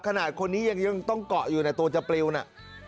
ขนาดนี้ยังต้องเกาะอยู่นะตัวจะปลิวน่ะ